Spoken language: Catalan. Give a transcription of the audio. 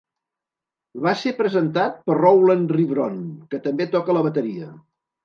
Va ser presentat per Rowland Rivron, que també toca la bateria.